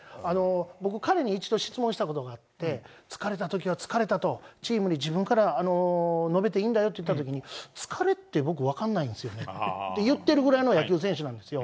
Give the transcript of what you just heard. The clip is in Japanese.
僕、彼に一度質問したことがあって、疲れたときは疲れたと、チームに自分から述べていいんだよって言ったときに、疲れって、僕、分かんないんですよねって言ってるぐらいの野球選手なんですよ。